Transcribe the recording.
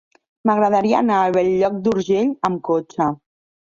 M'agradaria anar a Bell-lloc d'Urgell amb cotxe.